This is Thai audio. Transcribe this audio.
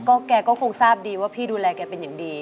แกก็คงทราบดีว่าพี่ดูแลแกเป็นอย่างดี